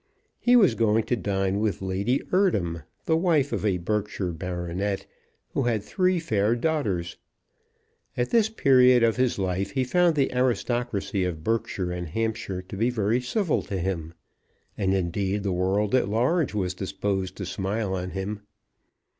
He was going to dine with Lady Eardham, the wife of a Berkshire baronet, who had three fair daughters. At this period of his life he found the aristocracy of Berkshire and Hampshire to be very civil to him; and, indeed, the world at large was disposed to smile on him.